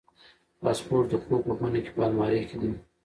پاسپورت د خوب په خونه کې په المارۍ کې دی.